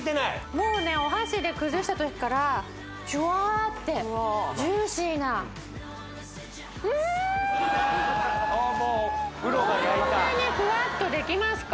もうねお箸で崩した時からジュワーッてジューシーなこんなにふわっとできますか？